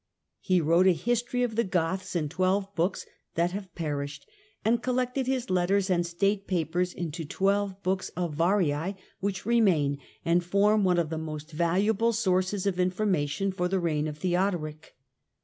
He vrote a history of the Goths, in twelve books, that has )erished, and collected his letters and State papers into ,welve books of V^pj,e, which remain and form one of he most valuable sources of information for the reign of Fheodoric.